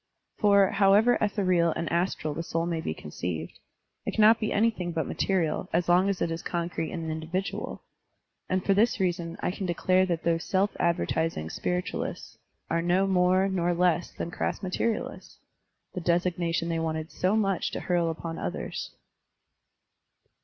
For, however ethereal and astral the soul may be conceived, it cannot be anything but material, as long as it is concrete and individual. And for this reason I can declare that those self advertising spiritualists are no more nor less than crass materialists, — the designation they wanted so much to hurl upon others.